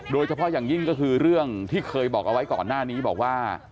โดยเฉพาะอย่างยิ่งก็คือเรื่องที่เคยบอกเอาไว้ก่อนหน้านี้บอกว่า